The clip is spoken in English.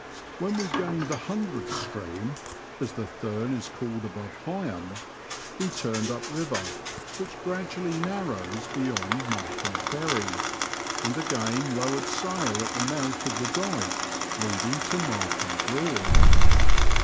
When we gained the Hundred Stream (as the Thurn is called above Heigham), we turned up the river, which gradually narrows beyond Martham Perry, And again lowered sail at the mouth of the dyke leading to Martham Broad.